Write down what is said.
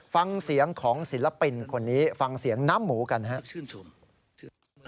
ฟังเสียงของศิลปินคนนี้ฟังเสียงน้ำหมูกันครับ